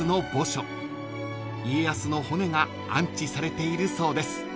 ［家康の骨が安置されているそうです］